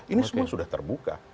ini semua sudah terbuka